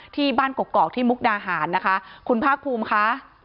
ที่บ้านกกอกที่มุกดาหารนะคะคุณภาคภูมิค่ะ